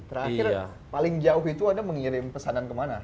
terakhir paling jauh itu anda mengirim pesanan kemana